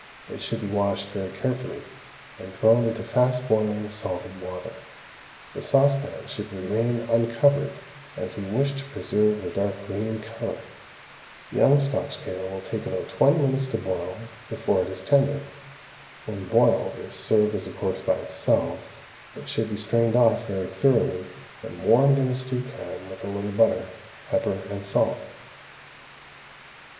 It should be washed very carefully, and thrown into fast boiling salted water. The saucepan should remain uncovered, as we wish to preserve the dark green colour. Young Scotch kale will take about twenty minutes to boil before it is tender. When boiled, if served as a course by itself, it should be strained off very thoroughly and warmed in a stew pan with a little butter, pepper, and salt.